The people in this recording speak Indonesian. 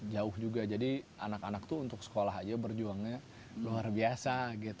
jauh juga jadi anak anak itu untuk sekolah aja berjuangnya luar biasa